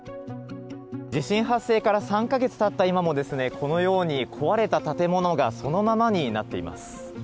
地震発生から３か月たった今もですね、このように壊れた建物がそのままになっています。